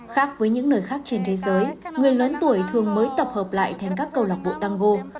khác với những nơi khác trên thế giới người lớn tuổi thường mới tập hợp lại thành các cầu lạc bộ tango